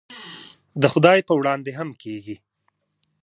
د خدای په وړاندې هم کېږي.